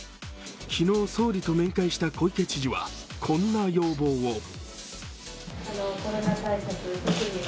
昨日、総理と面会した小池知事は、こんな要望を。